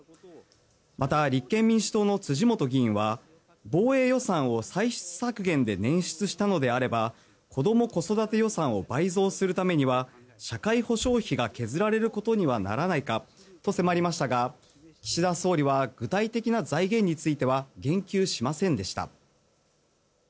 また、立憲民主党の辻元議員は防衛予算を歳出削減で捻出したのであれば子ども・子育て予算を倍増するためには社会保障費が削られることにならないかと迫りましたが岸田総理は具体的な財源については言及しませんでした。